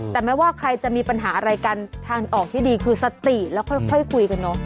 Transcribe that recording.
แต่ไม่ว่าใครจะมีปัญหาอะไรกันทางออกที่ดีคือสติแล้วค่อยคุยกันเนอะ